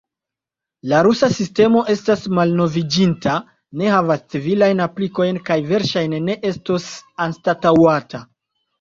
La rusa sistemo estas malnoviĝinta, ne havas civilajn aplikojn kaj verŝajne ne estos anstataŭata.